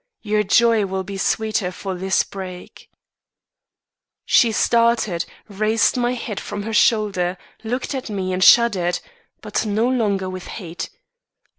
Your joy will be sweeter for this break!' "She started, raised my head from her shoulder, looked at me and shuddered but no longer with hate.